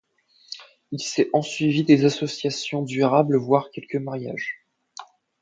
Il s’est ensuivi des associations durables voire quelques mariages.